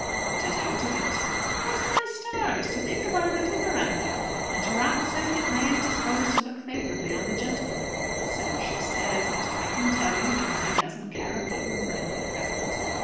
"Not a doubt of it." "Bless my stars! To think of our little Miranda! and her aunt says that May is disposed to look favourably on the gentleman." "So she says. But I can tell you that May doesn't care a button for him at present."